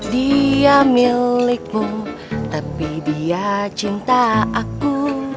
dia milikmu tapi dia cinta aku